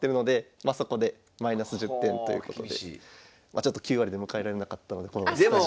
ちょっと９割で迎えられなかったのでこのスタジオに。